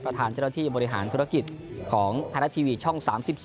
ประธานเจ้าหน้าที่บริหารธุรกิจของไทยรัฐทีวีช่อง๓๒